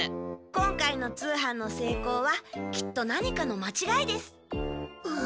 今回の通販のせいこうはきっと何かのまちがいです。